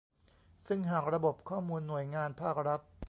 ซึ่งหากระบบข้อมูลหน่วยงานภาครัฐ